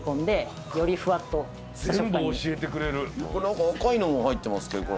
何か赤いのも入ってますけど。